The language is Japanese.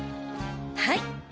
はい。